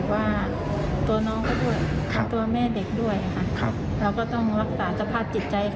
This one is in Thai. ว่าตัวน้องเขาด้วยตัวแม่เด็กด้วย